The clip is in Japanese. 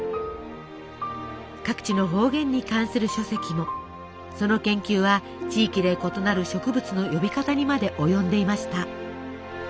各地の方言に関する書籍もその研究は地域で異なる植物の呼び方にまで及んでいました。